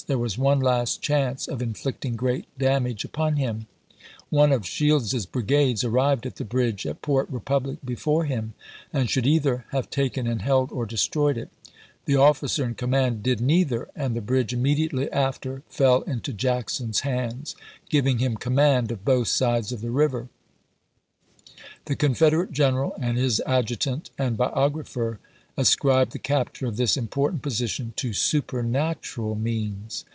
There was one last chance of inflicting gi'eat damage upon him. One of Shields's brigades voLxir.. arrived at the bridge at Port Republic before him, n,?."2Vit. and should either have taken and held or destroyed ij. 375. ■' it. The officer in command did neither, and the bridge immediately after fell into Jackson's hands, " STONEWALI. " JACKSON'S VALLEY CAMPAIGN 411 giving him command of both sides of the river, ch. xxii. The Confederate general and his adjutant and biographer ascribed the capture of this important position to supernatural means.